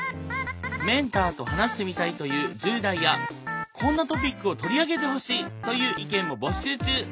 メンターと話してみたいという１０代やこんなトピックを取り上げてほしいという意見も募集中。